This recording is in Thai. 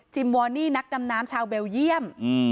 วอนี่นักดำน้ำชาวเบลเยี่ยม